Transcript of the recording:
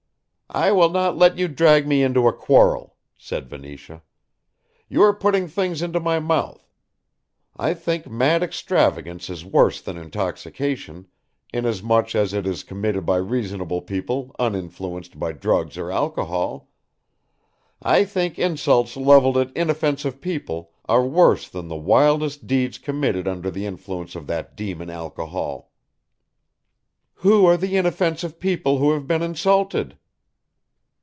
"I will not let you drag me into a quarrel," said Venetia; "you are putting things into my mouth. I think mad extravagance is worse than intoxication, inasmuch as it is committed by reasonable people uninfluenced by drugs or alcohol. I think insults levelled at inoffensive people are worse than the wildest deeds committed under the influence of that demon alcohol." "Who are the inoffensive people who have been insulted?"